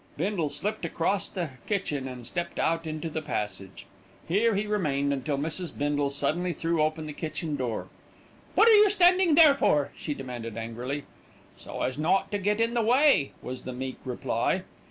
Bindle slipped across the kitchen and stepped out into the passage. Here he remained until Mrs. Bindle suddenly threw open the kitchen door. "What are you standing there for?" she demanded angrily. "So as not to get in the way," was the meek reply.